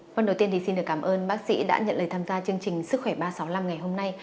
vâng đầu tiên thì xin được cảm ơn bác sĩ đã nhận lời tham gia chương trình sức khỏe ba trăm sáu mươi năm ngày hôm nay